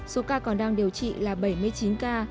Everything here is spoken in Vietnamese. số ca còn đang điều trị là bảy mươi chín ca